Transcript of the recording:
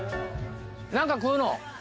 何か食うの？